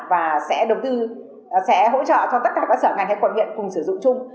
và sẽ đầu tư sẽ hỗ trợ cho tất cả các sở ngành hay quận huyện cùng sử dụng chung